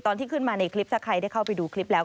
ตอนที่ขึ้นมาในคลิปถ้าใครได้เข้าไปดูคลิปแล้ว